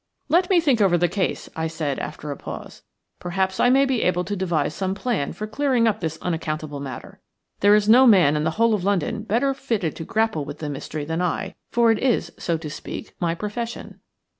"Let me think over the case," I said, after a pause. "Perhaps I may be able to devise some plan for clearing up this unaccountable matter. There is no man in the whole of London better fitted to grapple with the mystery than I, for it is, so to speak, my profession."